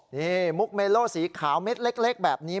นี่มุกเมโลสีขาวเม็ดเล็กแบบนี้